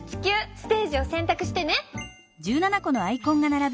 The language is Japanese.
ステージをせんたくしてね。